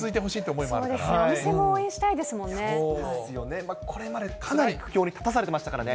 そうですよね、お店も応援しこれまでかなり苦境に立たされてましたからね。